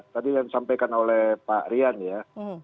tadi yang disampaikan oleh pak rian ya